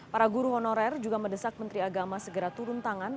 para guru honorer juga mendesak menteri agama segera turun tangan